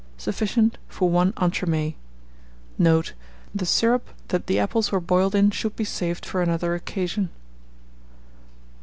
Sufficient for 1 entremets. Note. The syrup that the apples were boiled in should be saved for another occasion.